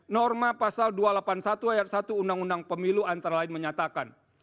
norma pasal dua ratus delapan puluh satu ayat satu undang undang pemilu antara lain menyatakan